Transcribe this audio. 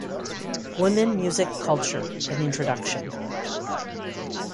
Women, Music, Culture an introduction.